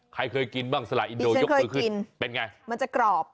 ใครเคยกินบ้างสละอินโดยกมือขึ้นเป็นไงมันจะกรอบ